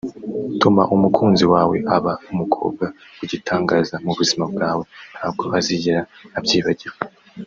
tuma umukunzi wawe aba umukobwa w’igitangaza mu buzima bwawe ntabwo azigera abyibagirwa